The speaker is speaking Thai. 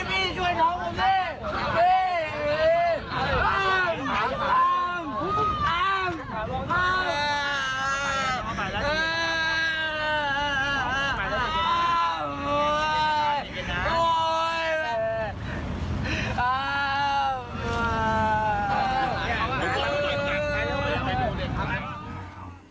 พี่อ้ามอ้ามอ้ามอ้ามอ้าม